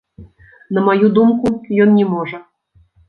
На маю думку, ён не можа.